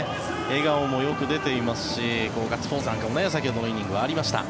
笑顔もよく出ていますしガッツポーズなんかも先ほどのイニングはありました。